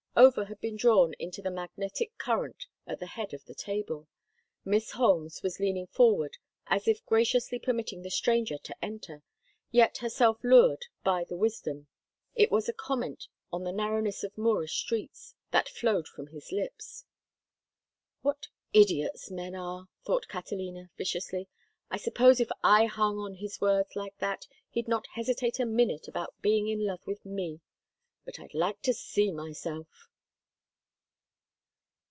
Over had been drawn into the magnetic current at the head of the table. Miss Holmes was leaning forward as if graciously permitting the stranger to enter, yet herself lured by the wisdom—it was a comment on the narrowness of Moorish streets—that flowed from his lips. "What idiots men are!" thought Catalina, viciously. "I suppose if I hung on his words like that he'd not hesitate a minute about being in love with me. But I'd like to see myself!"